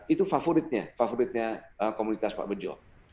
itu favoritnya favoritnya komunitas pak bejo